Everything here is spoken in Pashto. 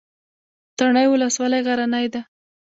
تڼیو ولسوالۍ غرنۍ ده؟